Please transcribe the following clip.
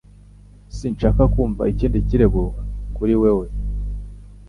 Sinshaka kumva ikindi kirego kuri wewe.